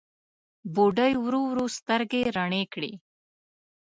بوډۍ ورو ورو سترګې رڼې کړې.